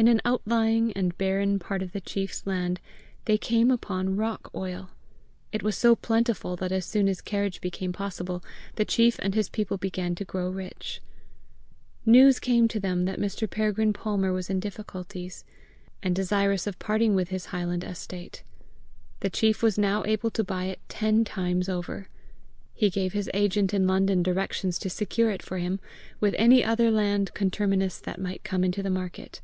In an outlying and barren part of the chief's land, they came upon rock oil. It was so plentiful that as soon as carriage became possible, the chief and his people began to grow rich. News came to them that Mr. Peregrine Palmer was in difficulties, and desirous of parting with his highland estate. The chief was now able to buy it ten times over. He gave his agent in London directions to secure it for him, with any other land conterminous that might come into the market.